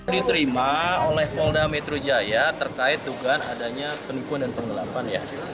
diterima oleh polda metro jaya terkait dugaan adanya penipuan dan penggelapan ya